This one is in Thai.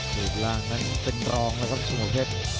หลุดล่างนั้นเป็นรองแล้วก็ชมวกเพชร